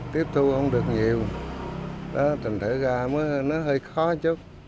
tiếp thu không được nhiều tình thể ra nó hơi khó chút